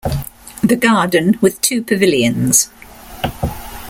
The garden, with two pavilions.